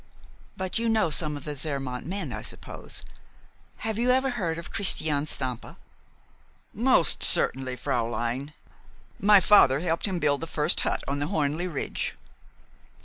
"But you know some of the Zermatt men, I suppose? Have you ever heard of Christian Stampa?" "Most certainly, fräulein. My father helped him to build the first hut on the Hörnli Ridge."